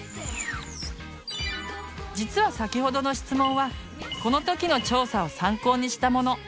実は先ほどの質問はこの時の調査を参考にしたもの。